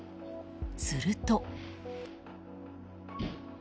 すると。